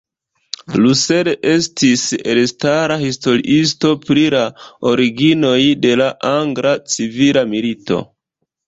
Russell estis elstara historiisto pri la originoj de la Angla Civila Milito.